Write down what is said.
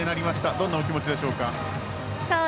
どんなお気持ちでしょうか？